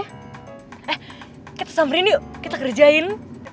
eh kita samperin yuk kita kerjain